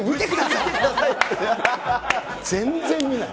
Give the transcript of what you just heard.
全然見ない。